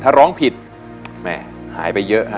ถ้าผิดแหมหายไปเยอะ